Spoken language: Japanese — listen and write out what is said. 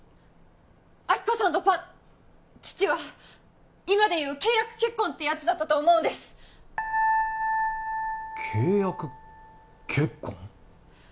亜希子さんとパ父は今でいう契約結婚ってやつだったと思うんです契約結婚？